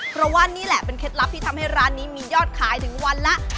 เพราะว่านี่แหละเป็นเคล็ดลับที่ทำให้ร้านนี้มียอดขายถึงวันละ